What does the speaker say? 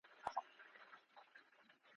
په کورونو یې کړي ګډي د غم ساندي